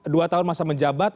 dua tahun masa menjabat